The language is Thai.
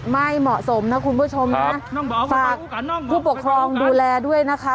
ไม่เหมาะสมนะคุณผู้ชมนะฝากผู้ปกครองดูแลด้วยนะคะ